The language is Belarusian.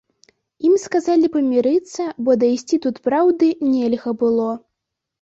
Ім сказалі памірыцца, бо дайсці тут праўды нельга было.